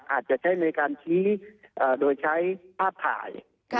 อาจจะใช้ในการชี้โดยใช้ภาพถ่าย